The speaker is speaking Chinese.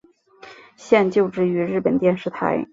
现就职于日本电视台。